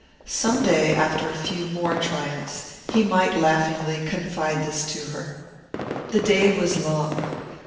Some day, after a few more triumphs, he might laughingly confide this to her. The day was long.